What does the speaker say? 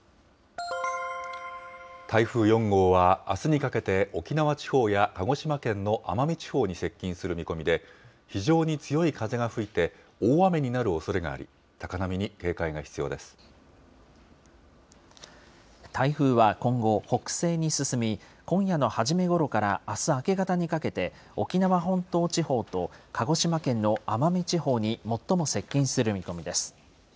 台風４号は、あすにかけて沖縄地方や鹿児島県の奄美地方に接近する見込みで、非常に強い風が吹いて大雨になるおそれがあり、台風は今後、北西に進み、今夜の初めごろからあす明け方にかけて、沖縄本島地方と、鹿児島県の奄美地方に最も接近する見込みです。